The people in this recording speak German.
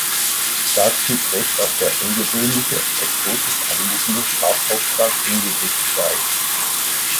Dazu trägt auch der ungewöhnliche, exotisch anmutende Farbauftrag im Gesicht bei.